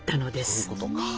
そういうことか。